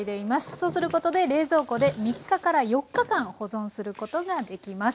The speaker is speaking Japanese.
そうすることで冷蔵庫で３日から４日間保存することができます。